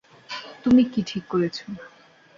তুমি কী ঠিক করেছো?